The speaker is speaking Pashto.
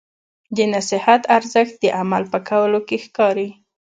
د نصیحت ارزښت د عمل په کولو کې ښکاري.